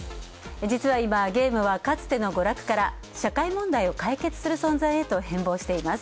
実は今、ゲームはかつての娯楽から社会問題を解決する存在へと変貌しています。